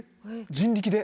人力で？